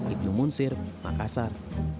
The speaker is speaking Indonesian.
ibnu munsir makassar